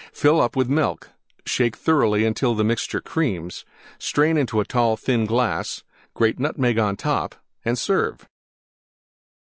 Fill up with Milk; shake thoroughly until the mixture creams; strain into tall thin glass; grate Nutmeg on top and serve.